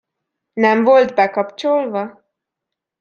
Nem volt bekapcsolva?